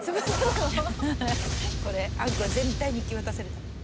これあんこ全体に行き渡せるため。